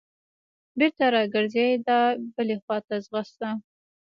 بېرته راګرځېده بلې خوا ته ځغسته.